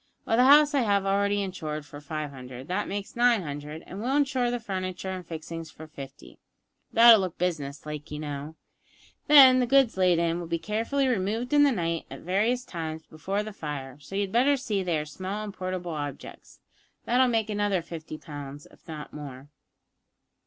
Well, the house I have already insured for five hundred, that makes nine hundred, and we'll insure the furniture and fixings for fifty; that'll look business like, you know. Then the goods laid in will be carefully removed in the night at various times before the fire, so you had better see that they are small and portable objects; that'll make another fifty pounds, if not more.